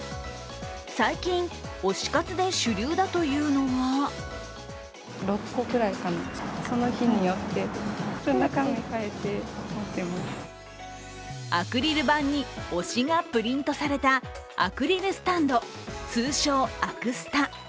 最近、推し活で主流だというのがアクリル板に推しがプリントされたアクリルスタンド、通称アクスタ。